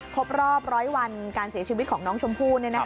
ครบรอบร้อยวันการเสียชีวิตของน้องชมพู่